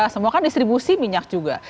semua kan distribusi minyak juga